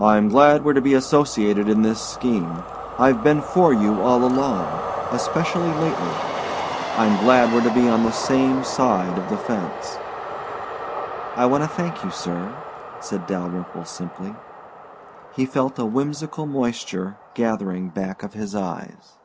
"I'm glad we're to be associated in this scheme I've been for you all along especially lately. I'm glad we're to be on the same side of the fence." "I want to thank you, sir," said Dalyrimple simply. He felt a whimsical moisture gathering back of his eyes.